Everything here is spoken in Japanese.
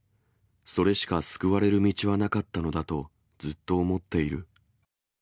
それしか救われる道はなかったのだと、ずっと思っている。